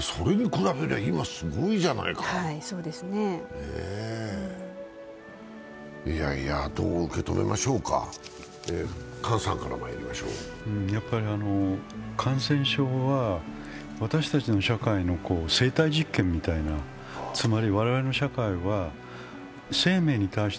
それに比べりゃ、今すごいじゃないか、どう受け止めましょうか感染症は私たちの社会の生体実験みたいな、つまり我々の社会は生命に対して